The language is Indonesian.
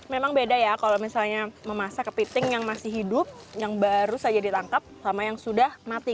memang beda ya kalau misalnya memasak kepiting yang masih hidup yang baru saja ditangkap sama yang sudah mati